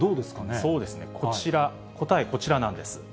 そうですね、こちら、答えはこちらなんです。